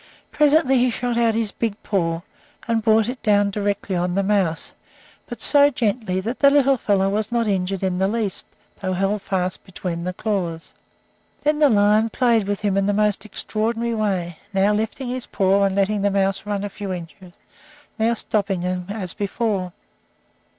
Presently he shot out his big paw, and brought it down directly on the mouse, but so gently that the little fellow was not injured in the least, though held fast between the claws. Then the lion played with him in the most extraordinary way, now lifting his paw and letting the mouse run a few inches, now stopping him as before.